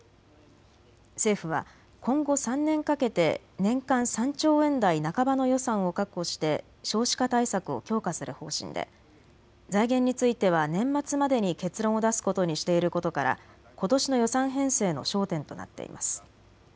政府は今後３年かけて年間３兆円台半ばの予算を確保して少子化対策を強化する方針で財源については年末までに結論を出すことにしていることからことしの予算編成の焦点となっています。